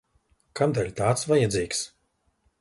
Kamdēļ tāds vajadzīgs?